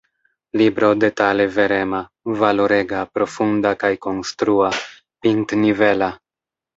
Libro detale verema, valorega, profunda kaj konstrua, pintnivela.